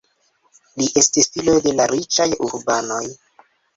Li estis filo de la riĉaj urbanoj.